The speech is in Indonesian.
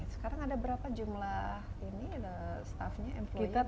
sekarang ada berapa jumlah ini ada staff nya employee di sdm